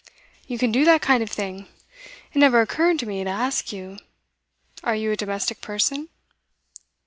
'You can do that kind of thing? It never occurred to me to ask you: are you a domestic person?